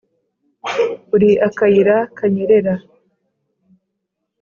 uri akayira kanyerera